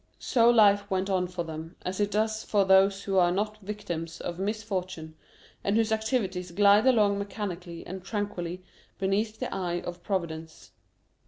So life went on for them as it does for those who are not victims of misfortune and whose activities glide along mechanically and tranquilly beneath the eye of Providence.